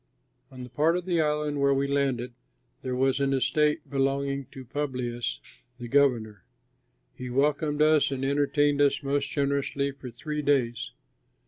On the part of the island where we landed there was an estate belonging to Publius the governor. He welcomed us and entertained us most generously for three days.